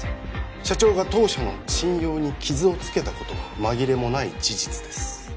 社長が当社の信用に傷をつけたことは紛れもない事実です